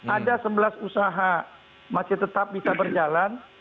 ada sebelas usaha masih tetap bisa berjalan